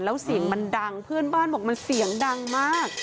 แล้วเสียงมันดังเพื่อนบ้านบอกมันเสียงดังมาก